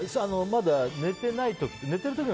まだ寝てない時。